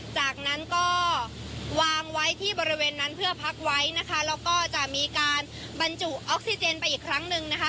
จากนั้นก็วางไว้ที่บริเวณนั้นเพื่อพักไว้นะคะแล้วก็จะมีการบรรจุออกซิเจนไปอีกครั้งหนึ่งนะคะ